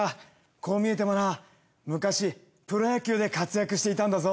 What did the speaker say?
こう見えてもな昔プロ野球で活躍していたんだぞ。